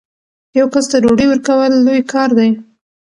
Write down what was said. یو کس ته ډوډۍ ورکول لوی کار دی.